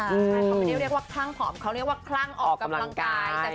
เขาฟังว่าคลั่งออกออกกำลังกาย